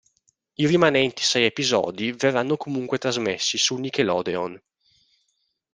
I rimanenti sei episodi verranno comunque trasmessi su Nickelodeon.